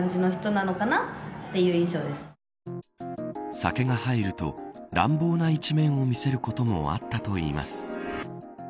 酒が入ると、乱暴な一面を見せることもあったといいます。